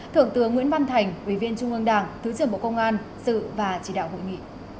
thượng tướng nguyễn văn thành ủy viên trung ương đảng thứ trưởng bộ công an sự và chỉ đạo hội nghị